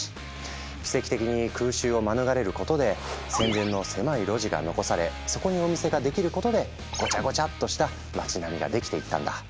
奇跡的に空襲を免れることで戦前の狭い路地が残されそこにお店ができることでごちゃごちゃっとした町並みができていったんだ。